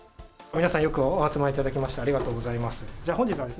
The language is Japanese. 皆さんよくお集まりいただきまして、ありがとうございます。